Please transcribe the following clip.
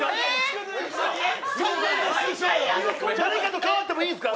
誰かと代わってもいいですか？